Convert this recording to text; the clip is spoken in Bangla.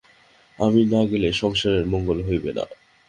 আমি না গেলে সংসারের মঙ্গল হইবে না।